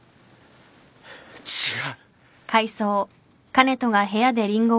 違う。